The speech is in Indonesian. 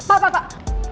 pak pak pak